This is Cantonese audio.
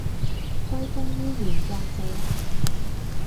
歸功於原作者